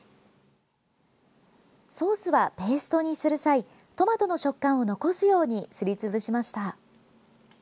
ソースは、ペーストにする際トマトの食感を残すようにすりつぶしました。